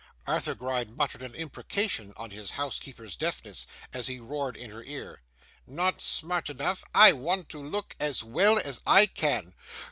Arthur Gride muttered an imprecation on his housekeeper's deafness, as he roared in her ear: 'Not smart enough! I want to look as well as I can.